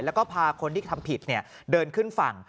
แล้วก็พาคนที่ทำผิดเดินขึ้นฝั่ง